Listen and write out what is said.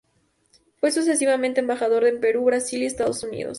Fue sucesivamente embajador en Perú, Brasil y Estados Unidos.